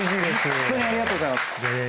ホントにありがとうございます。